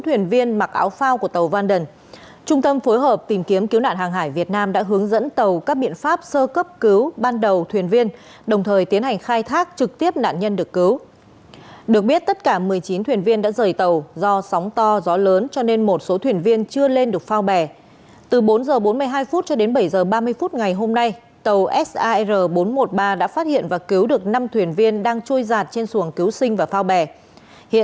theo trung tâm phối hợp tìm kiếm cứu nạn hàng hải việt nam vào khoảng một mươi năm h ba mươi phút ngày hôm qua đơn vị này nhận được thông tin tàu vanden thuộc công ty trách nhiệm hiệu hạn vận tải biển hồng gai